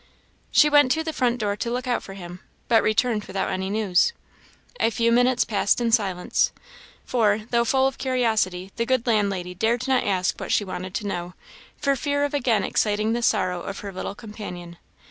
She went to the front door to look out for him, but returned without any news. A few minutes passed in silence, for, though full of curiosity, the good landlady dared not ask what she wanted to know, for fear of again exciting the sorrow of her little companion.